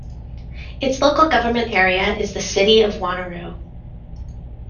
Its local government area is the City of Wanneroo.